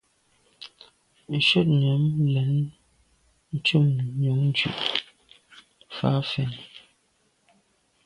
Shutnyàm lem ntùm njon dù’ fa fèn.